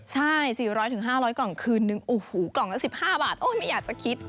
ใช่๔๐๐๕๐๐กล่องคืนนึงโอ้โหกล่องละ๑๕บาทไม่อยากจะคิด